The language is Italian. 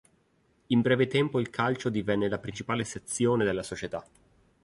In breve tempo il calcio divenne la principale sezione della società.